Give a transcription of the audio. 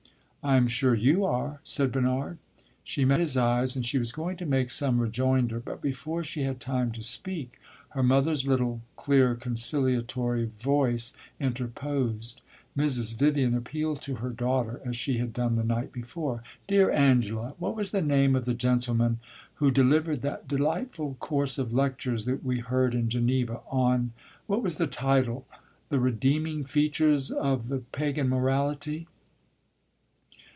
"I am sure you are!" said Bernard. She met his eyes, and she was going to make some rejoinder; but before she had time to speak, her mother's little, clear, conciliatory voice interposed. Mrs. Vivian appealed to her daughter, as she had done the night before. "Dear Angela, what was the name of the gentleman who delivered that delightful course of lectures that we heard in Geneva, on what was the title? 'The Redeeming Features of the Pagan Morality.